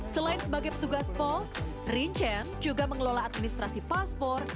selain sebagai petugas pos rincen juga mengelola administrasi paspor